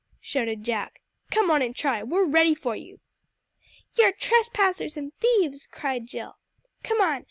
shouted Jack. "Come on and try, we're ready for you!" "You're trespassers and thieves!" cried Jill. "Come on!